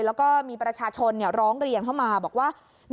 แล้วก็มีประชาชนร้องเรียนเข้ามาบอกว่า